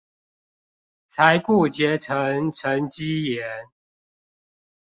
才固結成沈積岩